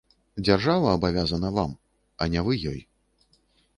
Дзяржава абавязана вам, а не вы ёй.